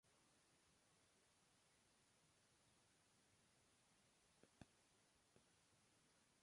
Esto es fundamental para moldear los órganos durante el desarrollo.